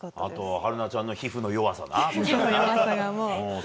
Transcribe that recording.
あとは春奈ちゃんの皮膚の弱さな。